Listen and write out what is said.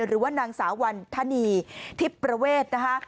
หรือว่านางสาวัณธานีที่ประเวทนะค่ะ